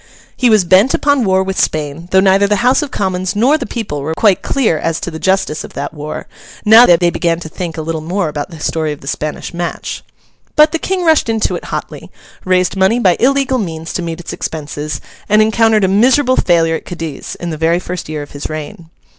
He was bent upon war with Spain, though neither the House of Commons nor the people were quite clear as to the justice of that war, now that they began to think a little more about the story of the Spanish match. But the King rushed into it hotly, raised money by illegal means to meet its expenses, and encountered a miserable failure at Cadiz, in the very first year of his reign.